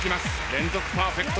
連続パーフェクトなるか！？